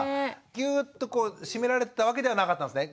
ギューッとこう締められてたわけではなかったんですね。